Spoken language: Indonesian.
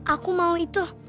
aku mau itu